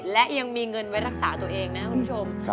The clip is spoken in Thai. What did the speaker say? และยังมีเงินไว้รักษาตัวเองนะครับคุณผู้ชม